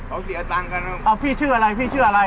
เขาเสียตังค์กันเอาพี่ชื่ออะไรพี่ชื่ออะไร